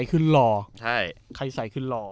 ใครใส่คือหล่อ